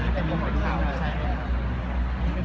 มีพี่พูกคุยหรือกันในแนวไท่มาก